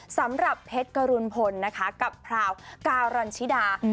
สำหรับเพชรกรุณพลนะคะกับพราวการันชิดา